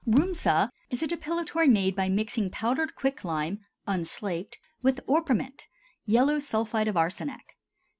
RHUSMA is a depilatory made by mixing powdered quicklime (unslaked) with orpiment (yellow sulphide of arsenic).